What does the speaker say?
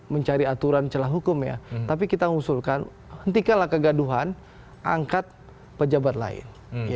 mencari aturan celah hukum ya tapi kita mengusulkan hentikanlah kegaduhan angkat pejabat lain